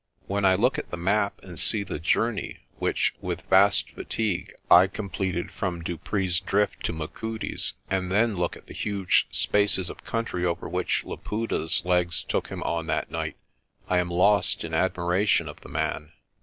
When I look at the map and see the journey which with vast fatigue I completed from Dupree's Drift to Machudi's, and then look at the huge spaces of country over which Laputa's legs took him on that night, I am lost in admiration of the man.